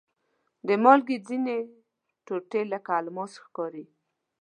د مالګې ځینې ټوټې لکه الماس ښکاري.